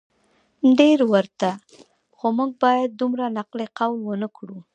ډیر ورته خو موږ باید دومره نقل قول ونه کړو